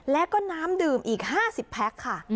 แล้วก็น้ำดื่มอีก๕๐แพ็คค่ะ